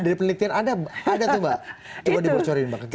dari pengalaman anda dari penelitian anda ada tuh mbak